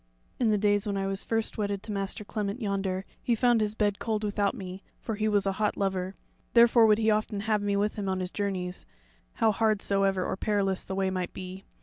In the days when I was first wedded to Master Clement yonder, he found his bed cold without me, for he was a hot lover; therefore would he often have me with him on his journeys, how hard soever or perilous the way might be.